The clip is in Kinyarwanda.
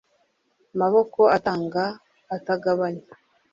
maboko atanga atagabanya